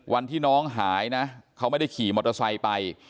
วันที่น้องหายนะเขาไม่ได้ขี่มอเตอร์ไซค์ไป